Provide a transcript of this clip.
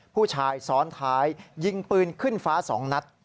ผู้ชายซ้อนท้ายยิงปืนขึ้นฟ้า๒นัด